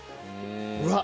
うわっ！